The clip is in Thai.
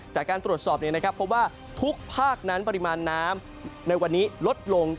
จากการตรวจสอบผมพบว่าทุกภาคนั้นปริมาศน้ำในวันนี้ลดลงจากเมื่อวาน